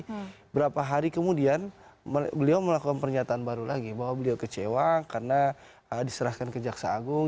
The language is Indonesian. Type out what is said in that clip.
beberapa hari kemudian beliau melakukan pernyataan baru lagi bahwa beliau kecewa karena diserahkan ke jaksa agung